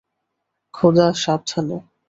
খোদা, সাবধানে!